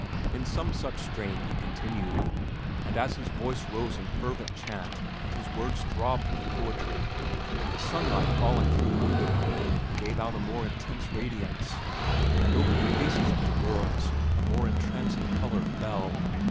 In some such strain he continued, and as his voice rose in fervent chant and his words throbbed with poetry, the sunlight falling through the window pane gave out a more intense radiance, and over the faces of the girls, a more entrancing color fell.